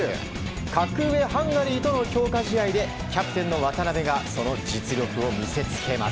格上ハンガリーとの強化試合でキャプテンの渡邊がその実力を見せつけます。